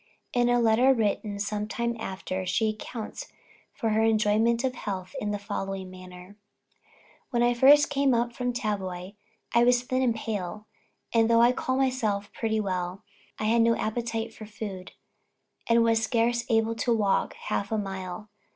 In a letter written some time after, she accounts for her enjoyment of health, in the following manner: "When I first came up from Tavoy, I was thin and pale; and though I called myself pretty well, I had no appetite for food, and was scarce able to walk half a mile.